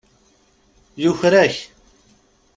Yuker-ak.